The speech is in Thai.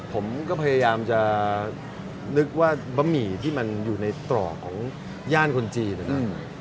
ผมก็พยายามจะนึกว่าบะหมี่ที่มันอยู่ในตรอกของย่านคนจีนนะครับ